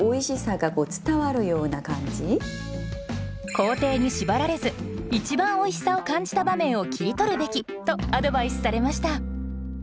工程に縛られず一番おいしさを感じた場面を切り取るべきとアドバイスされました。